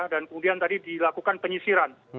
dan kemudian tadi dilakukan penyisiran